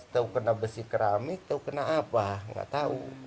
tahu kena besi keramik atau kena apa nggak tahu